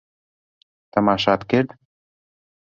تەماشات کرد؟